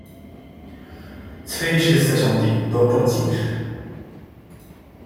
崔氏四兄弟都中进士。